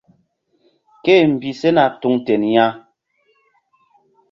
Ké-e mbi sena tuŋ ten ya.